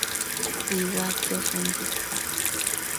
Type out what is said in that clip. Iuaquiosh umbi isac